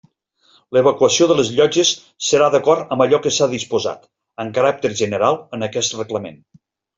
L'evacuació de les llotges serà d'acord amb allò que s'ha disposat, amb caràcter general, en aquest Reglament.